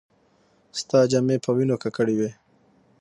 ستا جامې په وينو ککړې وې.